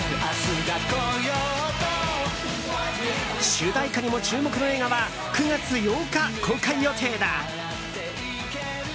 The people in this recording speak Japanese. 主題歌にも注目の映画は９月８日公開予定だ。